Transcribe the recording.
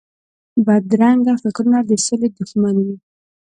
بدرنګه فکرونه د سولې دښمن وي